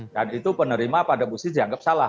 dan itu penerima pada posisi dianggap salah